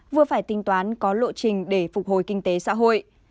vừa phải tính toán có lộ trình để phục hồi kinh tế xã hội